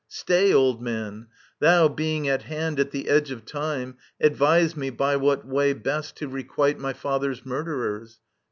— Stay, Old Man : thou, being at hand At the edge of time, advise me, by what way Best to requite my fether^s murderers.